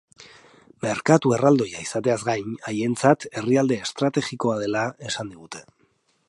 Merkatu erraldoia izateaz gain, haientzat herrialde estrategikoa dela esan digute.